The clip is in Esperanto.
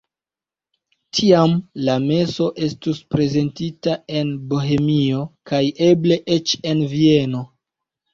Tiam la meso estus prezentita en Bohemio kaj eble eĉ en Vieno.